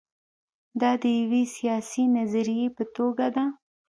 دا د یوې سیاسي نظریې په توګه ده.